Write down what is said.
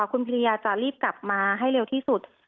คุณพิริยาจะรีบกลับมาให้เร็วที่สุด